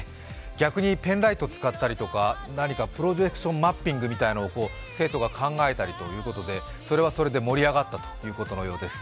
逆にペンライトを使ったり、プロジェクションマッピングみたいなものを生徒が考えたりということで、それはそれで盛り上がったということのようです。